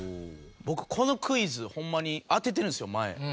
僕このクイズホンマに当ててるんですよ前。